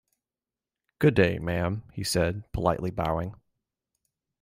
"Good day, ma'am," he said, politely bowing